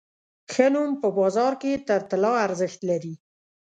ښه نوم په بازار کې تر طلا ارزښت لري.